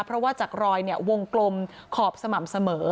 เพราะว่าจากรอยวงกลมขอบสม่ำเสมอ